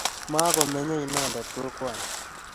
Makomenyei inendet kokwani